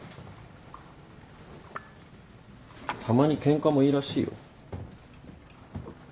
たまにケンカもいいらしいよ。